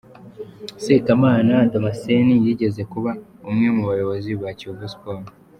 Sekamana Damasenti yigeze kuba umwe mu bayobozi ba Kiyovu Siporo.